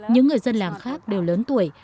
những người dân làng khác đều lớn tuổi